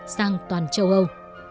sang toàn châu âu